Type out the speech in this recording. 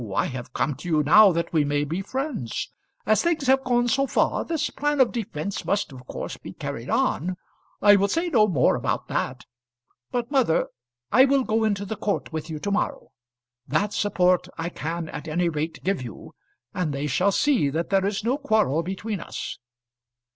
I have come to you now that we may be friends. As things have gone so far, this plan of defence must of course be carried on. I will say no more about that. But, mother, I will go into the court with you to morrow. That support I can at any rate give you, and they shall see that there is no quarrel between us."